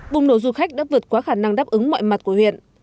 bùng nổ du khách đã vượt qua khả năng đáp ứng mọi mặt của huyện